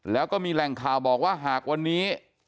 แล้วก็มีแหล่งข่าวบอกว่าหากวันนี้